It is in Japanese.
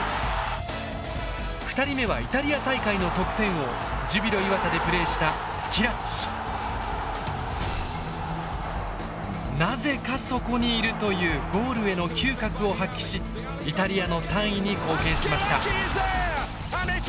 ２人目はイタリア大会の得点王ジュビロ磐田でプレーしたなぜかそこにいるというゴールへの嗅覚を発揮しイタリアの３位に貢献しました。